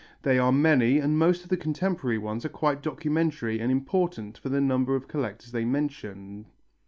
They are many, and most of the contemporary ones are quite documentary and important for the number of collectors they mention.